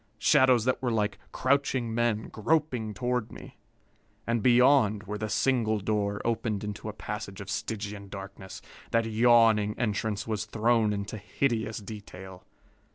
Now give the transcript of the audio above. Shadows that were like crouching men, groping toward me. And beyond, where the single door opened into a passage of Stygian darkness, that yawning entrance was thrown into hideous detail.